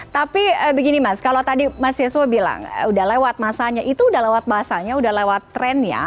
tapi begini mbak kalau tadi mas yeswo bilang sudah lewat masanya itu sudah lewat masanya sudah lewat trennya